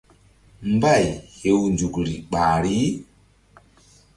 Mbay hew nzukri ɓahri.